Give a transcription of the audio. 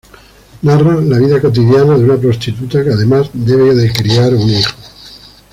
Narra la vida cotidiana de una prostituta que, además, debe criar un hijo.